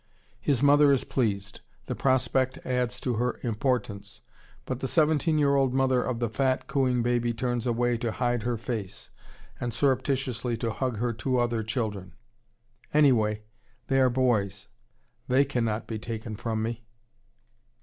His mother is pleased, the prospect adds to her importance, but the seventeen year old mother of the fat, cooing baby turns away to hide her face and surreptitiously to hug her two other children. "Anyway, they are boys; they cannot be taken from me."